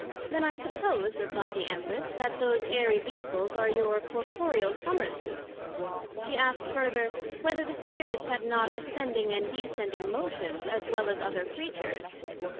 Then I suppose, replied the Empress, That those airy Vehicles, are your corporeal Summer suits. she asked further, Whether the Spirits had not ascending and descending motions, as well as other Creatures?